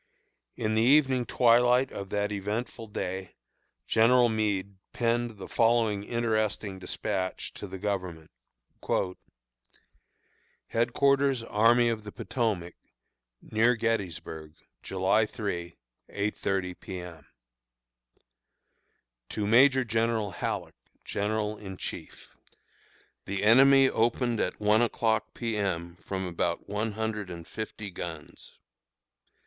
In the evening twilight of that eventful day General Meade penned the following interesting despatch to the Government: HEADQUARTERS ARMY OF THE POTOMAC, Near Gettysburg, July 3, 8.30 P. M. To Major General Halleck, General in Chief: The enemy opened at one o'clock P. M., from about one hundred and fifty guns.